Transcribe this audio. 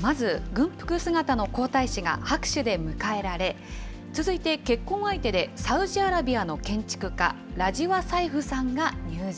まず軍服姿の皇太子が拍手で迎えられ、続いて、結婚相手で、サウジアラビアの建築家、ラジワ・サイフさんが入場。